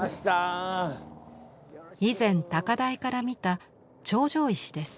以前高台から見た頂上石です。